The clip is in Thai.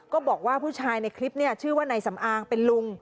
บอกว่าผู้ชายในคลิปเนี่ยชื่อว่านายสำอางเป็นลุง